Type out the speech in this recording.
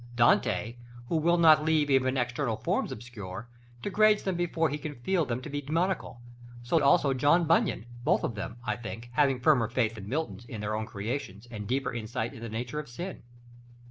Dante, who will not leave even external forms obscure, degrades them before he can feel them to be demoniacal; so also John Bunyan: both of them, I think, having firmer faith than Milton's in their own creations, and deeper insight into the nature of sin.